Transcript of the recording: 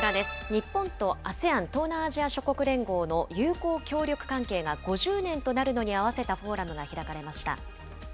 日本とＡＳＥＡＮ・東南アジア諸国連合の友好協力関係が５０年となるのに合わせたフォーラムが開かれました。